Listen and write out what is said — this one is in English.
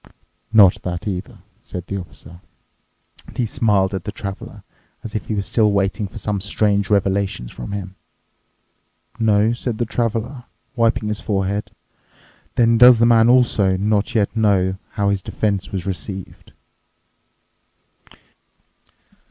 "Not that either," said the Officer, and he smiled at the traveler, as if he was still waiting for some strange revelations from him. "No?" said the Traveler, wiping his forehead, "then does the man also not yet know how his defence was received?"